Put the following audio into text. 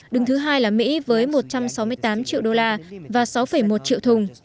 đứng thứ hai là mỹ với một trăm sáu mươi tám triệu đô la và sáu một triệu thùng